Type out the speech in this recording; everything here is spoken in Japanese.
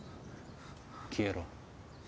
消えろ！